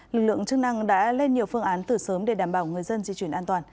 lực lượng chức năng đã lên nhiều phương án từ sớm để đảm bảo người dân di chuyển an toàn